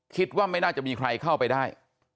คิดว่าไม่น่าจะมีใครเข้าไปได้